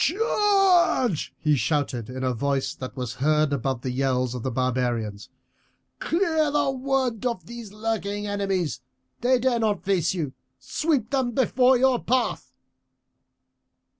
"Charge!" he shouted in a voice that was heard above the yells of the barbarians. "Clear the wood of these lurking enemies, they dare not face you. Sweep them before your path."